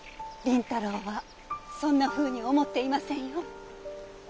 麟太郎はそんなふうに思っていませんよ。